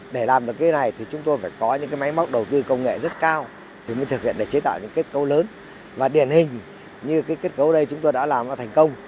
để làm được cái này thì chúng tôi phải có những máy móc đầu tư công nghệ rất cao thì mới thực hiện để chế tạo những kết cấu lớn và điển hình như cái kết cấu ở đây chúng tôi đã làm ra thành công